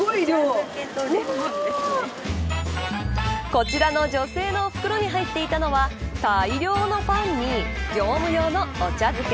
こちらの女性の袋に入っていたのは大量のパンに業務用のお茶漬け